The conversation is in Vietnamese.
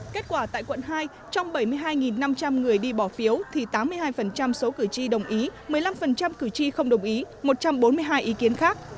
kết quả tại quận hai trong bảy mươi hai năm trăm linh người đi bỏ phiếu thì tám mươi hai số cử tri đồng ý một mươi năm cử tri không đồng ý một trăm bốn mươi hai ý kiến khác